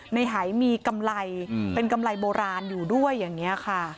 ในหายมีกำไรเป็นกำไรโบราณอยู่ด้วยอย่างนี้ค่ะ